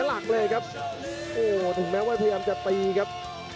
โอ้โหถึงแม้ว่าพยายามจะตีครับ